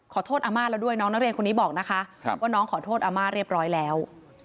อาม่าแล้วด้วยน้องนักเรียนคนนี้บอกนะคะว่าน้องขอโทษอาม่าเรียบร้อยแล้ว